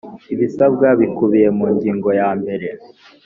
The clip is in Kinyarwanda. ibisabwa bikubiye mu ngingo ya yambere.